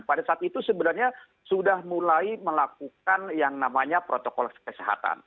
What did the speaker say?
pada saat itu sebenarnya sudah mulai melakukan yang namanya protokol kesehatan